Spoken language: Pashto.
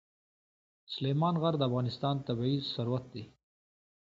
سلیمان غر د افغانستان طبعي ثروت دی.